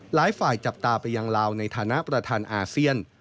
หลายฝ่ายจับตาไปยังลาวในฐานะประธานอาเซียน